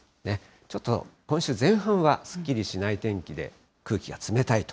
ちょっと今週前半は、すっきりしない天気で、空気が冷たいと。